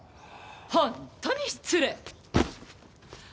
ホントに失礼！